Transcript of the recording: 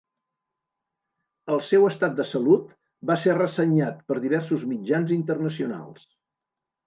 El seu estat de salut va ser ressenyat per diversos mitjans internacionals.